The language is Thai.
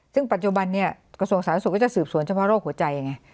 ซึ่งปัจจุบันนี้กระทรวงสาธารณสุขก็จะสืบสวนเฉพาะโรคหัวใจไง